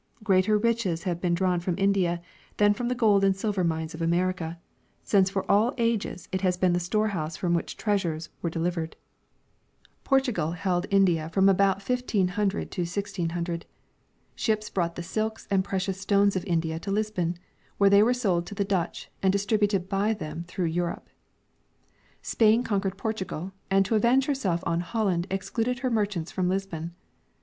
Greater riches have been draAvn from India than from the gold and silver mines of America, since The Wealth of the Indies. 9 for all ages it has Leen the storehouse from which treasures were derived. Portugal held India from about 1500 to 1600. Ships brought the silks and precious stones of India to Lisbon, Avhere they were sold to the Dutch and distributed by them through Europe. Spain conquered Portugal, and to avenge herself on Holland excluded her merchants from lisbon.